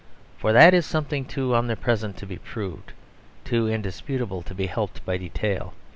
For that is something too omnipresent to be proved, too indisputable to be helped by detail.